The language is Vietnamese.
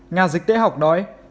nhà dịch tế học nói